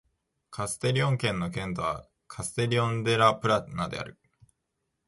カステリョン県の県都はカステリョン・デ・ラ・プラナである